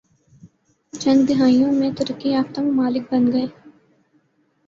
چند دہائیوں میں ترقی یافتہ ممالک بن گئے